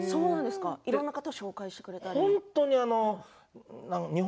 いろんな方を紹介してくれたり？